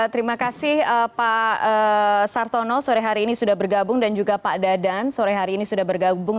terima kasih pak sartono sore hari ini sudah bergabung dan juga pak dadan sore hari ini sudah bergabung